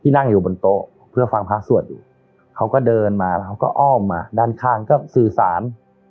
นั่งอยู่บนโต๊ะเพื่อฟังพระสวดอยู่เขาก็เดินมาแล้วเขาก็อ้อมมาด้านข้างก็สื่อสาร